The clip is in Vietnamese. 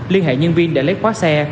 liên hệ nhân viên để lấy khóa xe